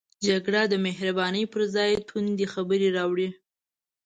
جګړه د مهربانۍ پر ځای توندې خبرې راوړي